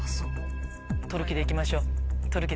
獲る気で行きましょう。